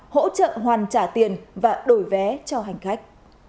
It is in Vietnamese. hỗ trợ hoàn trả tiền và đổi vé cho hành khách